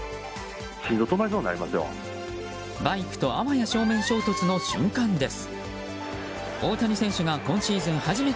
バイクとあわや正面衝突の瞬間です。